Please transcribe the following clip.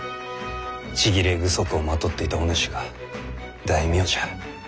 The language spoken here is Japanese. ちぎれ具足をまとっていたお主が大名じゃ。